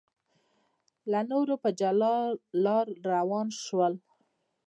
له نورو په جلا لار روان شول.